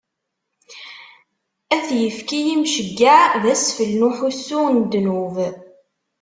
Ad t-ifk i yimceyyeɛ d asfel n uḥussu n ddnub.